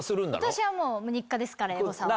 私はもう日課ですからエゴサは。